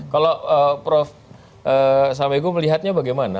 kalau prof salam leku melihatnya bagaimana